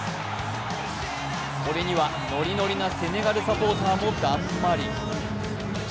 これには、ノリノリなセネガルサポーターもだんまり。